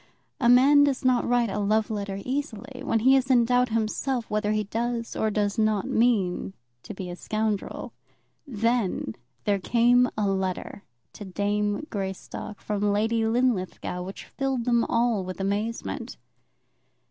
A man does not write a love letter easily when he is in doubt himself whether he does or does not mean to be a scoundrel. Then there came a letter to "Dame" Greystock from Lady Linlithgow, which filled them all with amazement.